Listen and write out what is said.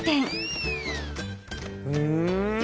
うん？